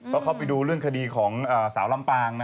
ก็เข้าไปดูเรื่องคดีของสาวลำปาง